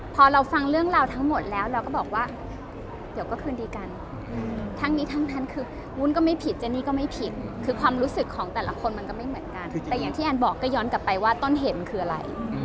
พอเราฟังเรื่องราวทั้งหมดแล้วเราก็บอกว่าเดี๋ยวก็คืนดีกันทั้งนี้ทั้งนั้นคือวุ้นก็ไม่ผิดเจนี่ก็ไม่ผิดคือความรู้สึกของแต่ละคนมันก็ไม่เหมือนกันแต่อย่างที่แอนบอกก็ย้อนกลับไปว่าต้นเหตุมันคืออะไร